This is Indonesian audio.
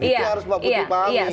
itu harus pak putri pahami